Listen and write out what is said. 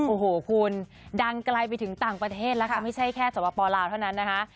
โอ้โหคุณดังไกลไปถึงต่างประเทศแล้วค่ะไม่ใช่แค่สวปลาวเท่านั้นนะคะ